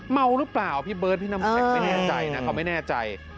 เมาหรือเปล่าพี่เบิร์ดพี่น้ำแข็งไม่แน่ใจนะเขาไม่แน่ใจ